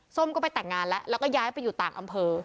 ก็ไปแต่งงานแล้วแล้วก็ย้ายไปอยู่ต่างอำเภอ